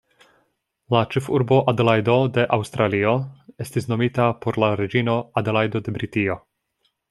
La ĉefurbo Adelajdo de Aŭstralio estis nomita por la reĝino Adelajdo de Britio.